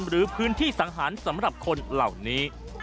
หรือพื้นที่สังหารสำหรับคนเหล่านี้